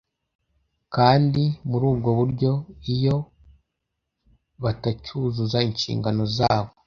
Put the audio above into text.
kandi muri ubwo buryo iyo batacyuzuza inshingano zabo